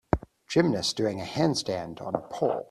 Gymnast doing handstand on a pole